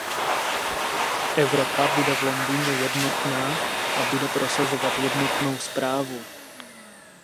Evropa bude v Londýně jednotná a bude prosazovat jednotnou zprávu.